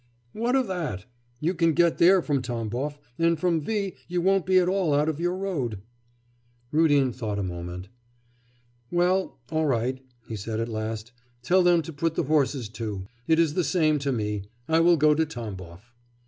'What of that? you can get there from Tamboff, and from V you won't be at all out of your road.' Rudin thought a moment. 'Well, all right,' he said at last, 'tell them to put the horses to. It is the same to me; I will go to Tamboff.